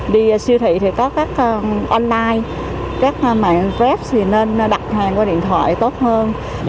đi siêu thị thì có các online các mạng grab thì nên đặt hàng qua điện thoại tốt hơn